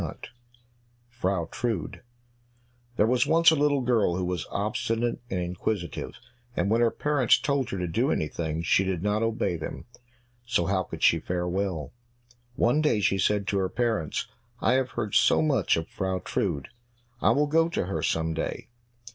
43 Frau Trude There was once a little girl who was obstinate and inquisitive, and when her parents told her to do anything, she did not obey them, so how could she fare well? One day she said to her parents, "I have heard so much of Frau Trude, I will go to her some day.